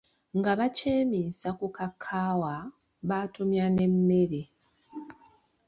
Nga bakyeminsa ku kakaawa, batumya n'emmere.